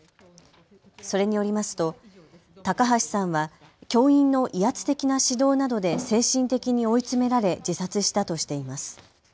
それによりますと高橋さんは教員の威圧的な指導などで精神的に追い詰められ自殺したとしています。